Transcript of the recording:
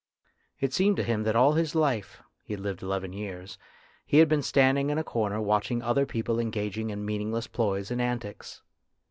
It seemed to him that all his life he had lived eleven years he had been standing in a corner watching other people engaging in meaningless ploys and antics.